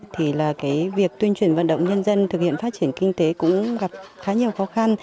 thì là cái việc tuyên truyền vận động nhân dân thực hiện phát triển kinh tế cũng gặp khá nhiều khó khăn